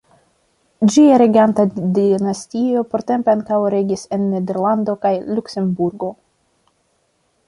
Ĝia reganta dinastio portempe ankaŭ regis en Nederlando kaj Luksemburgo.